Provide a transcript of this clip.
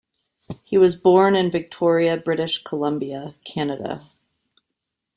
He was born in Victoria, British Columbia, Canada.